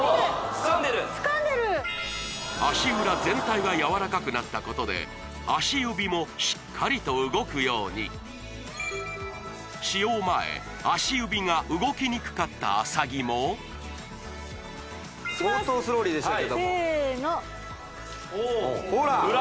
つかんでる足裏全体がやわらかくなったことで足指もしっかりと動くように使用前足指が動きにくかった麻木も相当スローリーでしたけれどもいきますせのほら！